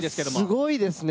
すごいですね。